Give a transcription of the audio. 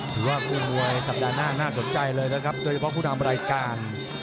ถือว่าคู่มวยสัปดาห์หน้าน่าสนใจเลยนะครับโดยเฉพาะผู้นำรายการ